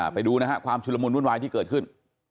ไปดูนะฮะความชุดละมุนวุ่นวายที่เกิดขึ้น